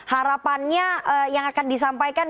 harapannya yang akan disampaikan